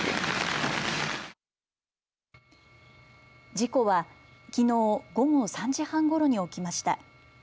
事故はきのう午後３時半ごろに起きました。